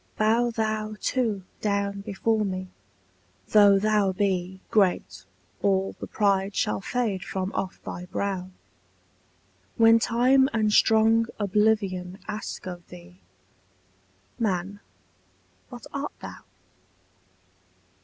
Bow thou too down before me: though thou be Great, all the pride shall fade from off thy brow, When Time and strong Oblivion ask of thee, Man, what art thou?